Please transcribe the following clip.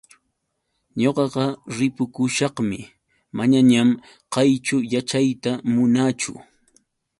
Ñuqaqa ripukushaqmi, manañan kayćhu yaćhayta munaachu.